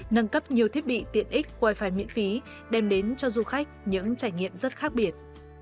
nâng cấp nhiều thiết bị tiện ích wifi miễn phí đem đến cho du khách những trải nghiệm rất khác biệt